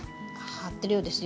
張ってるようですよ。